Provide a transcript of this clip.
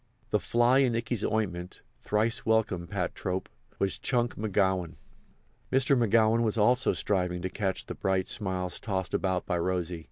The fly in Ikey's ointment (thrice welcome, pat trope!) was Chunk McGowan. Mr. McGowan was also striving to catch the bright smiles tossed about by Rosy.